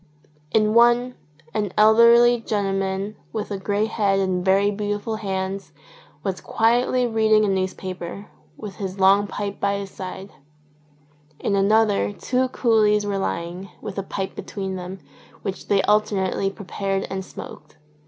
In one an elderly gentleman, with a grey head and very beautiful hands, was quietly reading a newspaper, with his long pipe by his side. In 60 THE OPIUM DEN another two coolies were lying, with a pipe between them, which they alternately prepared and smoked.